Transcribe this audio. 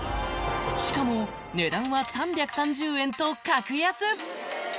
しかも値段は３３０円と格安！